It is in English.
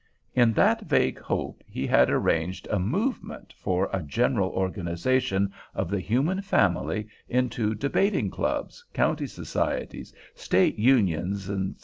In that vague hope, he had arranged a "movement" for a general organization of the human family into Debating Clubs, County Societies, State Unions, etc.